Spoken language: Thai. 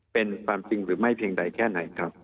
เป็นความจริงหรือไม่เพียงใดแค่ไหนครับ